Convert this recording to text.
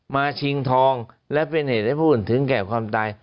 ชิงทองและเป็นเหตุให้ผู้อื่นถึงแก่ความตาย